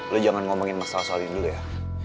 lo jangan ngomongin masalah soal ini dulu ya